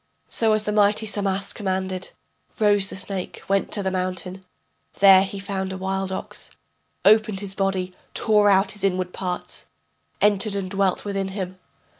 So as the mighty Samas commanded, Rose the snake, went to the mountain, There he found a wild ox, Opened his body, tore out his inward parts, Entered and dwelt within him.